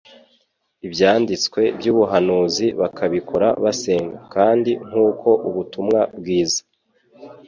Ibyanditswe by'ubuhanuzi bakabikora basenga. Kandi nk'uko ubutumwa bwiza